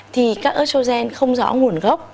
thì các estrogen không rõ nguồn gốc